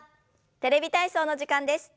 「テレビ体操」の時間です。